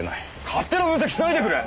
勝手な分析しないでくれ！